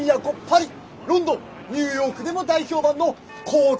パリロンドンニューヨークでも大評判の紅茶豆腐！